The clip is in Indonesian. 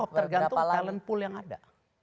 saya bisa jawab tergantung talent pool yang ada